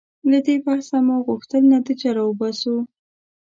له دې بحثه مو غوښتل نتیجه راوباسو.